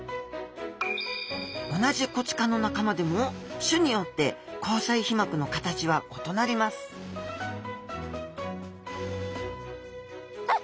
同じコチ科の仲間でも種によって虹彩皮膜の形は異なりますあっ！